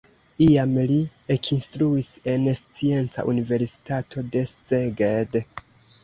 Iam li ekinstruis en Scienca Universitato de Szeged.